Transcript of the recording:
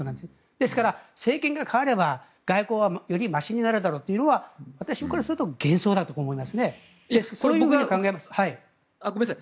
ですから、政権が代われば外交はよりましになるだろうというのは私からすると幻想だと思いますね。